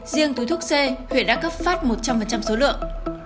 riêng túi thuốc c huyện đã cấp phát một trăm linh số lượng